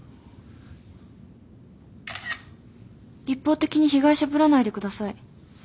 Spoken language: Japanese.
一方的に被害者ぶらないでください。